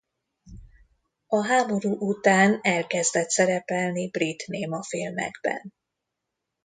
A háború után elkezdett szerepelni brit némafilmekben.